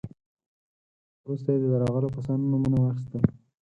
وروسته يې د راغلو کسانو نومونه واخيستل.